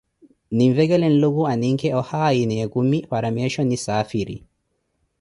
Ninvekhele Nluku, aninke ohaayi na ekumi para meesho nisaafiri.